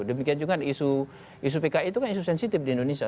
demikian juga isu pki itu kan isu sensitif di indonesia